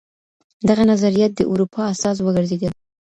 دغه نظريات د اروپا اساس وګرځېدل.